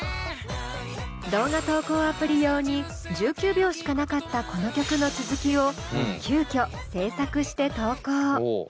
動画投稿アプリ用に１９秒しかなかったこの曲の続きを急きょ制作して投稿。